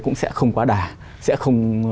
cũng sẽ không quá đà sẽ không